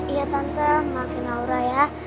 iya tante maafin aura ya